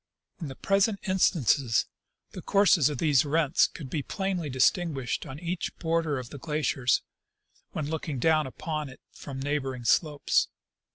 In the present instance the courses of these rents could be plainly distinguished on each border of the glacier, when looking down upon it from neighboring slopes.